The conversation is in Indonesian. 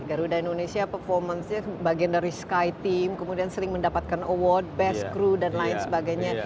garuda indonesia performance nya bagian dari sky team kemudian sering mendapatkan award best crew dan lain sebagainya